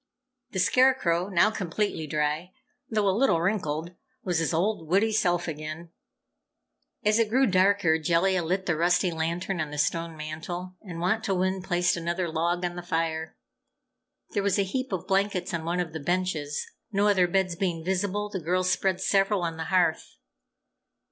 The Scarecrow, now completely dry though a little wrinkled, was his old, witty self again. As it grew darker, Jellia lit the rusty lantern on the stone mantel, and Wantowin placed another log on the fire. There was a heap of blankets on one of the benches. No other beds being visible, the girls spread several on the hearth.